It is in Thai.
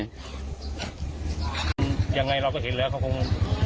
ยังไงเราก็เห็นแล้วเขาคง